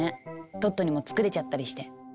トットにも作れちゃったりして。